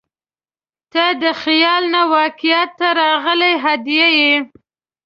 • ته د خیال نه واقعیت ته راغلې هدیه یې.